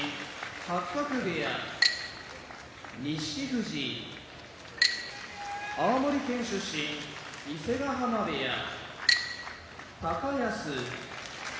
八角部屋錦富士青森県出身伊勢ヶ濱部屋高安